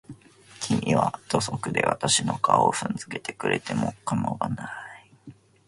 君は土足で私の顔を踏んづけてくれても構わない。